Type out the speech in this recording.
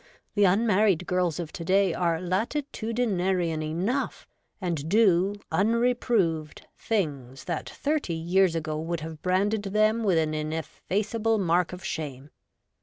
the un married girls of to day are latitudinarian enough, and do, unreproved, things that thirty years ago would have branded them with an ineffaceable mark of shame.